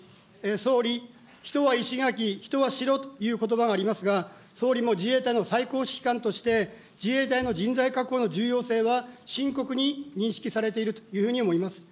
総理、人は石垣、人は城ということばがありますが、総理も自衛隊の最高指揮官として、自衛隊の人材確保の重要性は深刻に認識されているというふうに思います。